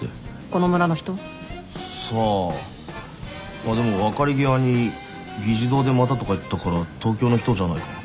あっでも別れ際に「議事堂でまた」とか言ってたから東京の人じゃないかな。